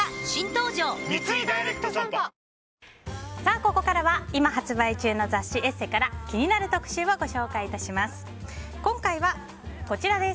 ここからは今発売中の雑誌「ＥＳＳＥ」から気になる特集をご紹介いたします。